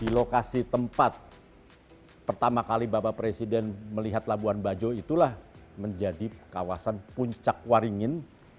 lokasi tempat pertama kali bapak presiden melihat labuan bajo itulah menjadi kawasan puncak waringin